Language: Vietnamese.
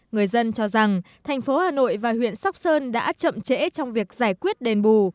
người dân cho rằng thành phố hà nội và huyện sóc sơn đã chậm trễ trong việc giải quyết đền bù